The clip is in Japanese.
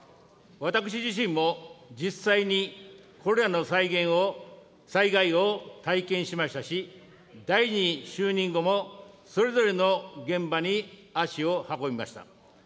私自身も、実際にこれらの災害を体験しましたし、大臣就任後もそれぞれの現場に足を運びました。